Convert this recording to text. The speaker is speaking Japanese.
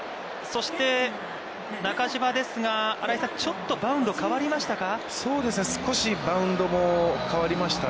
そして、中島ですが、新井さん、ちょっとバウンド変わりましたか。